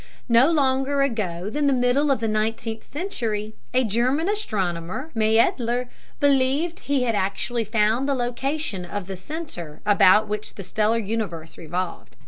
No longer ago than the middle of the nineteenth century a German astronomer, Maedler, believed that he had actually found the location of the center about which the stellar universe revolved.